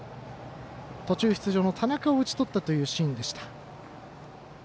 途中出場の田中を打ち取ったというシーンでした。